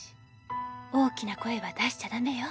大きな声は出しちゃ駄目よ。